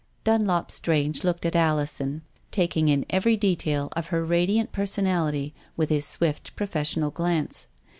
Dunlop Strange looked at Alison, taking in every detail of her radiant personality with his swift profes sional glance.